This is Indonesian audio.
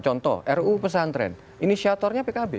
contoh ruu pesantren inisiatornya pkb